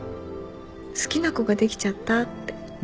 「好きな子ができちゃった」って。